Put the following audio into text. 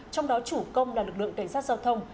trong đó chủ công là lực lượng cảnh sát giao thông